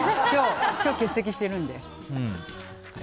今日欠席してるんで。